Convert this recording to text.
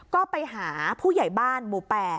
ก็ไปหาผู้ใหญ่บ้านหมู่๘